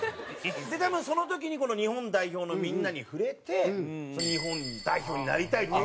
多分その時に日本代表のみんなに触れて日本の代表になりたいっていう。